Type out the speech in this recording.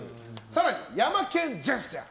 更に、ヤマケン・ジェスチャー。